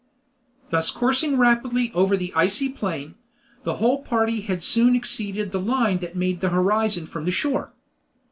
Thus coursing rapidly over the icy plain, the whole party had soon exceeded the line that made the horizon from the shore.